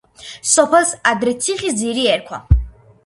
სოფელს ადრე ციხისძირი ერქვა.